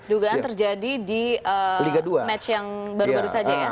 dugaan terjadi di match yang baru baru saja ya